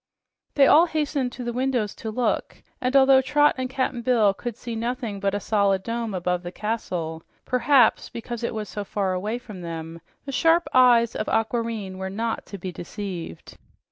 They all hastened to the windows to look, and although Trot and Cap'n Bill could see nothing but a solid dome above the castle perhaps because it was so far away from them the sharp eyes of Aquareine were not to be deceived.